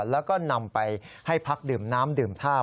แล้วก็นำไปให้พักดื่มน้ำดื่มท่า